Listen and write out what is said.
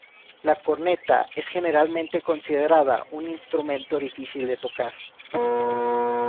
La corneta es generalmente considerada un instrumento difícil de tocar.